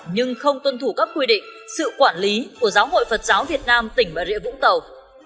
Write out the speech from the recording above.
nhưng không tuân thủ các quy định sự quản lý của giáo hội phật giáo việt nam tỉnh bà rịa vũng tàu